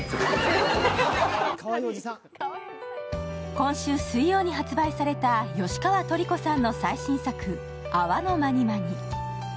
今週水曜に発売された吉川トリコさんの最新作「あわのまにまに」。